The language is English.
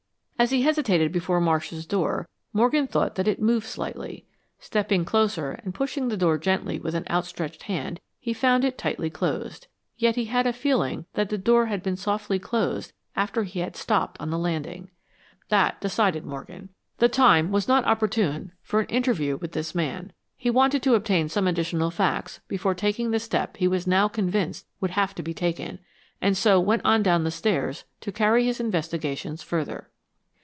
As he hesitated before Marsh's door, Morgan thought that it moved slightly. Stepping closer and pushing the door gently with an outstretched hand, he found it tightly closed. Yet, he had a feeling that the door had been softly closed after he had stopped on the landing. That decided Morgan. The time was not opportune for an interview with this man. He wanted to obtain some additional facts before taking the step he was now convinced would have to be taken, and so went on down the stairs to carry his investigations further.